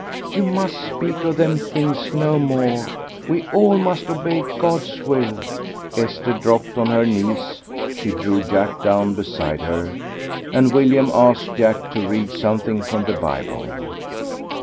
"You must speak of them things no more. We all must obey God's will." Esther dropped on her knees; she drew Jack down beside her, and William asked Jack to read something from the Bible.